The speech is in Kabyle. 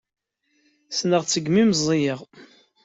Ssneɣ-tt segmi meẓẓiyeɣ.